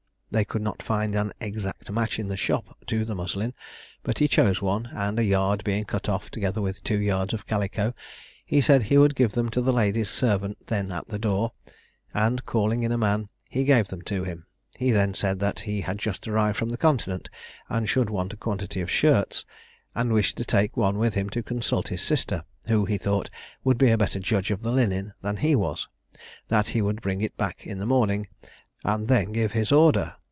They could not find an exact match in the shop to the muslin; but he chose one; and a yard being cut off, together with two yards of calico, he said he would give them to the lady's servant, then at the door; and, calling in a man, he gave them to him. He then said that he had just arrived from the Continent, and should want a quantity of shirts, and wished to take one with him to consult his sister, who, he thought, would be a better judge of the linen than he was; that he would bring it back in the morning, and then give his order.